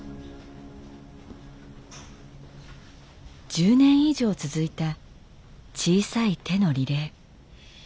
１０年以上続いた小さい手のリレー。